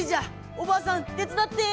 おばあさんてつだって！